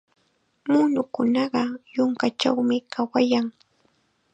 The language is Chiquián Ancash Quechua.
Muunukunaqa yunkachawmi kawayan.